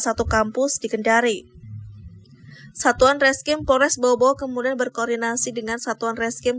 satu kampus di kendari satuan reskim polres bobo kemudian berkoordinasi dengan satuan reskim